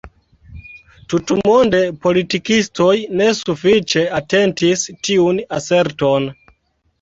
Tutmonde politikistoj ne sufiĉe atentis tiun aserton.